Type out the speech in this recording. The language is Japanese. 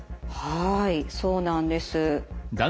はいそうなんです。